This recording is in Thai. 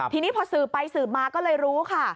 ทีนี้พอสืบไปสืบมาก็เลยรู้ค่ะ